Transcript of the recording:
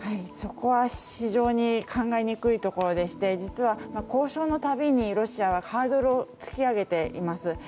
そこは非常に考えにくいところでして実は、交渉の度にロシアはハードルを突き上げています。